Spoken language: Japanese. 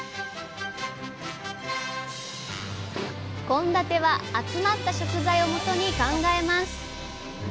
献立は集まった食材をもとに考えます。